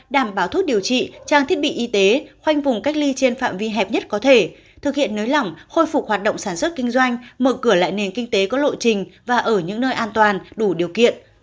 đảm bảo thuốc điều trị trang thiết bị y tế khoanh vùng cách ly trên phạm vi hẹp nhất có thể thực hiện nới lỏng khôi phục hoạt động sản xuất kinh doanh mở cửa lại nền kinh tế có lộ trình và ở những nơi an toàn đủ điều kiện